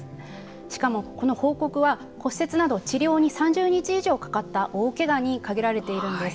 しかも、この報告は骨折など、治療に３０日以上かかった大けがに限られているんです。